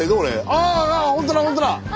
ああっ本当だ本当だ！